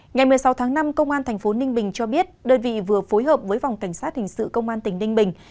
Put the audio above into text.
ngày một mươi sáu tháng năm công an tp ninh bình cho biết đơn vị vừa phối hợp với phòng cảnh sát hình sự công an tỉnh ninh bình